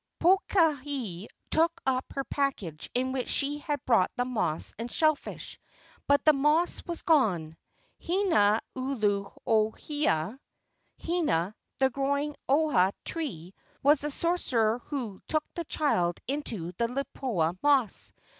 Pokahi took up her package in which she had brought the moss and shell fish, but the moss was gone. Hina ulu ohia (Hina the growing ohia tree) was the sorcerer who took the child in the lipoa moss.